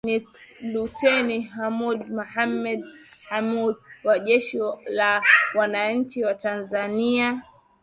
Ni Luteni Hamoud Mohammed Hamoud wa Jeshi la Wananchi wa Tanzania